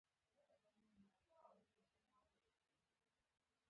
د کوم انسان په هکله خبره وکړو چې غوسه وپاروي.